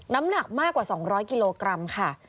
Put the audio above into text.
น้ำหนักมากกว่า๒๐๐กิโลกรัมค่ะ